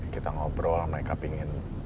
kita ngobrol mereka pengen